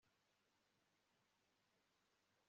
tom yemeye kunguriza amafaranga